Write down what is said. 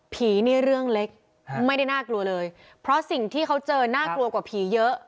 นี่เรื่องเล็กไม่ได้น่ากลัวเลยเพราะสิ่งที่เขาเจอน่ากลัวกว่าผีเยอะ